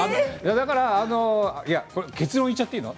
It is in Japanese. だから結論を言っちゃっていいの？